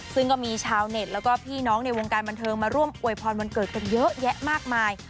ซึ่งก็มีชาวเน็ตแล้วก็พี่น้องในวงการบันเทิงมาร่วมอวยพรวันเกิดกันเยอะแยะมากมาย